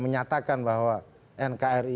menyatakan bahwa nkri